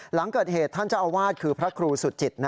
หลังเกิดเหตุท่านเจ้าอาวาสคือพระครูสุจิต